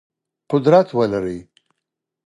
قدرت ولرئ.